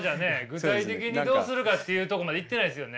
具体的にどうするかっていうとこまでいってないですよね。